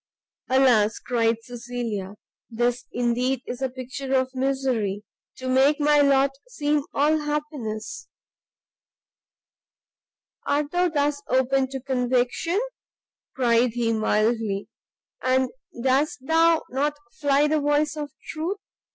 "Alas," cried Cecilia, "this indeed is a Picture of Misery to make my lot seem all happiness!" "Art thou thus open to conviction?" cried he, mildly; "and dost thou not fly the voice of truth!